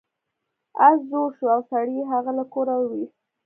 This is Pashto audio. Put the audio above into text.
اس زوړ شو او سړي هغه له کوره وویست.